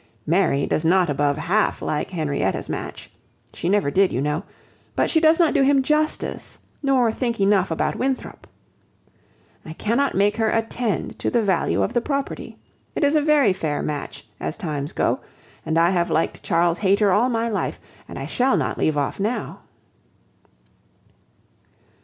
Mary does not above half like Henrietta's match. She never did, you know. But she does not do him justice, nor think enough about Winthrop. I cannot make her attend to the value of the property. It is a very fair match, as times go; and I have liked Charles Hayter all my life, and I shall not leave off now."